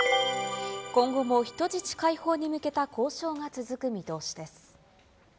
今後も人質解放に向けた交渉が続く見通しです。